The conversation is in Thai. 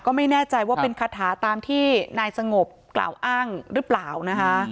ก็ไม่แน่ใจว่าเป็นคาถาตามที่นายสงบกล่าวอ้างหรือเปล่านะคะ